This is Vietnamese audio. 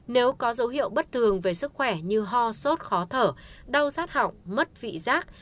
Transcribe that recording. nếu có dấu hiệu bất thường về sức khỏe như ho sốt khó thở đau sát hỏng mất vị giác